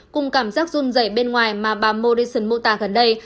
cùng cảm giác dung dày bên ngoài mà bà morrison mô tả gần đây